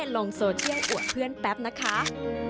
ลงโซเชียลอวดเพื่อนแป๊บนะคะ